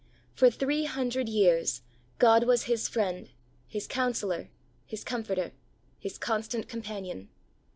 For three hundred years God was his Friend, his Counsellor, his Comforter, his constant companion.